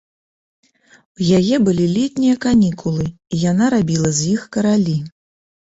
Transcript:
У яе былі летнія канікулы, і яна рабіла з іх каралі.